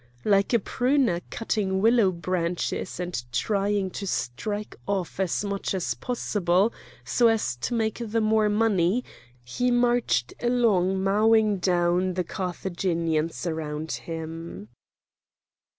Like a pruner cutting willow branches and trying to strike off as much as possible so as to make the more money, he marched along mowing down the Carthaginians around him.